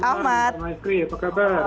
selamat malam pak maizri apa kabar